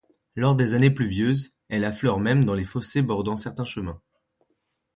Lors des années pluvieuses, elle affleure même dans les fossés bordant certains chemins.